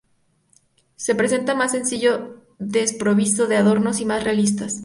Se presenta más sencillo, desprovisto de adornos y más realista.